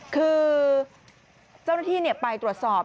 คือเจ้าหน้าที่ไปตรวจสอบ